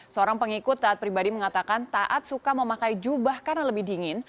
seorang pengikut taat pribadi mengatakan taat suka memakai jubah karena lebih dingin